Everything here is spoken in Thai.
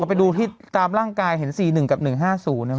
เขาไปดูตามร่างกายเห็น๔๑กับ๑๕๐ได้ไหม